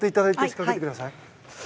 仕掛けてください。